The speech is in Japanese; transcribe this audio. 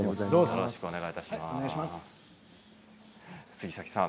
よろしくお願いします。